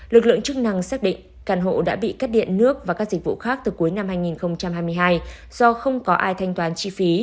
lực lượng chức năng xác định căn hộ đã bị cắt điện nước và các dịch vụ khác từ cuối năm hai nghìn hai mươi hai do không có ai thanh toán chi phí